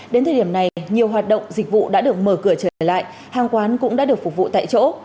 đến thời điểm này nhiều hoạt động dịch vụ đã được mở cửa trở lại hàng quán cũng đã được phục vụ tại chỗ